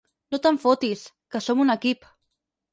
No te'n fotis, que som un equip.